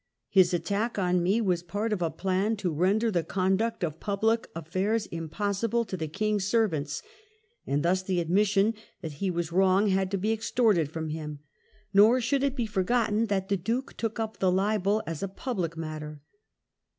His attack on me was part of a plan to render the conduct of public affairs impossible to the King's servants," and thus the admission that he was wrong had to be extorted from him. Nor should it be forgotten that the Duke took up the libel as a public matter.